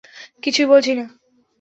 কিছুই বলছি না।